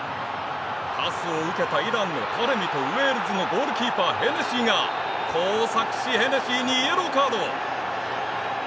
パスを受けたイランのタレミとウェールズのゴールキーパーヘネシーが交錯しヘネシーにイエローカード。